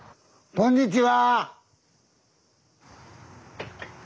こんにちは。